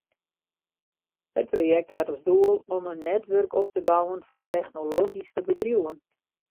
It projekt hat as doel om in netwurk op te bouwen fan technologyske bedriuwen.